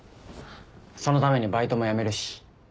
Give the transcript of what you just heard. そのためにバイトも辞めるし。